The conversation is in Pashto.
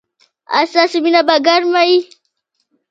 ایا ستاسو مینه به ګرمه وي؟